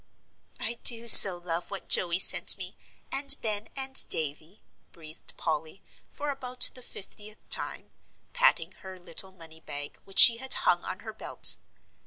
"I do so love what Joey sent me, and Ben and Davie," breathed Polly, for about the fiftieth time, patting her little money bag which she had hung on her belt.